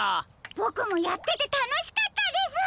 ボクもやっててたのしかったです。